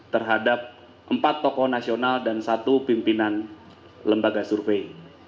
terhadap empat tokoh nasional dan satu pimpinan lembaga survei